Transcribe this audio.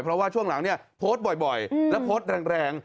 เพราะว่าช่วงหลังเนี่ยโพสต์บ่อยและโพสต์แรง